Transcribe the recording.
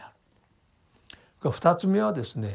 ２つ目はですね